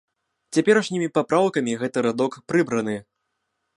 Цяперашнімі папраўкамі гэты радок прыбраны.